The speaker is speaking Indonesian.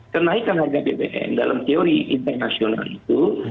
kenaikan harga bbm dalam teori internasional itu